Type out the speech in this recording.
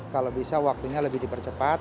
kalau bisa waktunya lebih dipercepat